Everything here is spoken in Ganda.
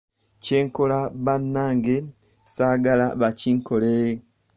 Kye nkola bannange saagala bakinkole.